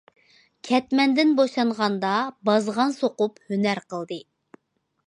كەتمەندىن بوشانغاندا بازغان سوقۇپ ھۈنەر قىلدى.